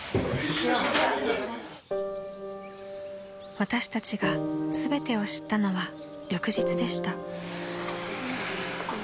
［私たちが全てを知ったのは翌日でした］